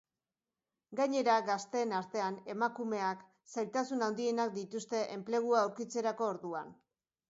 Gainera, gazteen artean emakumeak zailtasun handienak dituzte enplegua aurkitzerako orduan.